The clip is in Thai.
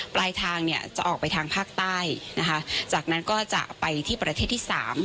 ปลายทางเนี่ยจะออกไปทางภาคใต้นะคะจากนั้นก็จะไปที่ประเทศที่สาม